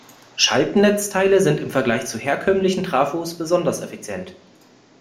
Schaltnetzteile sind im Vergleich zu herkömmlichen Trafos besonders effizient.